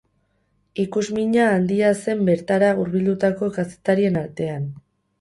Ikusmina handia zen bertara hurbildutako kazetarien artean.